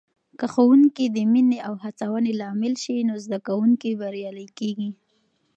که ښوونکې د مینې او هڅونې لامل سي، نو زده کوونکي بریالي کېږي.